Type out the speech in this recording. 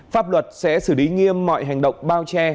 pháp luật sẽ xử lý nghiêm mọi hành động bao che